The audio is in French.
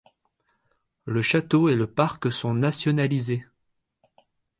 Le château et le parc sont nationalisés.